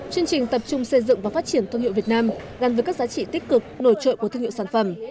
chương trình tập trung xây dựng và phát triển thương hiệu việt nam gắn với các giá trị tích cực nổi trội của thương hiệu sản phẩm